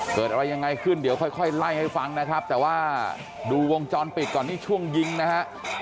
เกิดอะไรยังไงขึ้นเดี๋ยวค่อยค่อยไล่ให้ฟังนะครับแต่ว่าดูวงจรปิดก่อนนี่ช่วงยิงนะฮะ